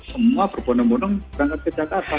semua berbunung bunung berangkat ke jakarta